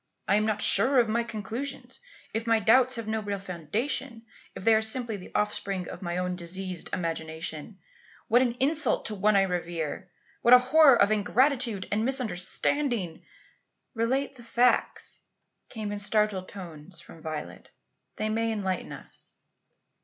I am not sure of my conclusions. If my doubts have no real foundation if they are simply the offspring of my own diseased imagination, what an insult to one I revere! What a horror of ingratitude and misunderstanding " "Relate the facts," came in startled tones from Violet. "They may enlighten us."